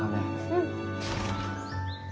・うん。